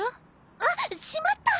あっしまった！